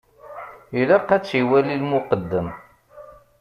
Ilaq ad tt-iwali lmuqeddem.